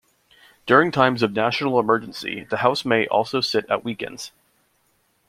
During times of national emergency, the House may also sit at weekends.